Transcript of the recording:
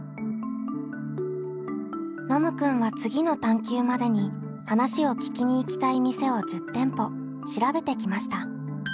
ノムくんは次の探究までに話を聞きに行きたい店を１０店舗調べてきました。